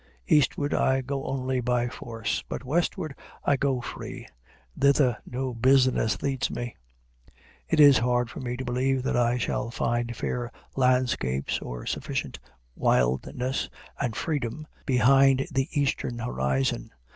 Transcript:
Eastward I go only by force; but westward I go free. Thither no business leads me. It is hard for me to believe that I shall find fair landscapes or sufficient wildness and freedom behind the eastern horizon.